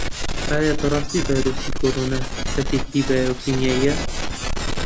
ئایا بەڕاستی ڤایرۆسی کۆرۆنا چەکێکی بایۆکیمیایییە؟